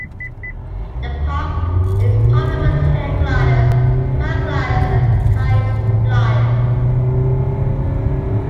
The park is popular with hang-gliders, paragliders, and kite flyers.